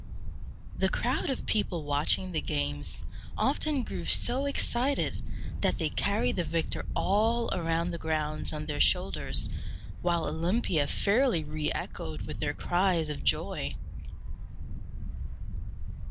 ] The crowd of people watching the games often grew so excited that they carried the victor all around the grounds on their shoulders, while Olympia fairly re echoed with their cries of joy.